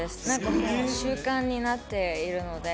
そういう習慣になっているので。